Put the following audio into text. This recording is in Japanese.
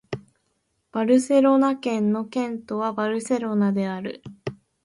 バルセロナ県の県都はバルセロナである